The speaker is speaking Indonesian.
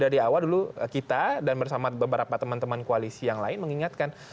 dari awal dulu kita dan bersama beberapa teman teman koalisi yang lain mengingatkan